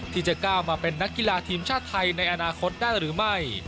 ที่จะก้าวมาเป็นนักกีฬาทีมชาติไทยในอนาคตได้หรือไม่